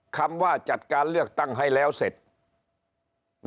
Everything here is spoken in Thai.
คำว่าจัดการเลือกตั้งให้แล้วเสร็จ